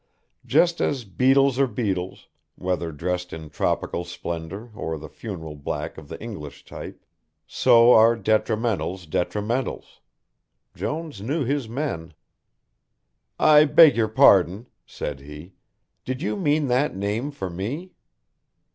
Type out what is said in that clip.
Just as beetles are beetles, whether dressed in tropical splendour or the funereal black of the English type, so are detrimentals detrimentals. Jones knew his men. "I beg your pardon," said he, "did you mean that name for me?"